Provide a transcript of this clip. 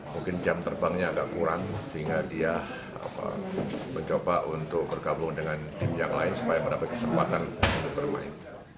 mungkin jam terbangnya agak kurang sehingga dia mencoba untuk bergabung dengan tim yang lain supaya mendapat kesempatan untuk bermain